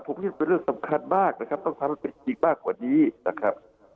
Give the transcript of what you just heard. ผมคิดว่าเป็นเรื่องสำคัญมากนะครับต้องทำให้เป็นจริงมากกว่านี้นะครับ